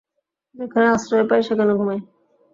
যেখানে আশ্রয় পাই, সেখানে ঘুমাই।